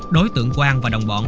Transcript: đối tượng quang và đồng bọn